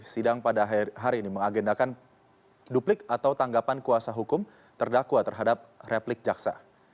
sidang pada hari ini mengagendakan duplik atau tanggapan kuasa hukum terdakwa terhadap replik jaksa